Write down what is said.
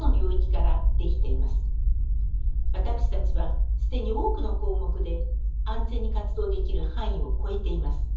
私たちは既に多くの項目で安全に活動できる範囲を超えています。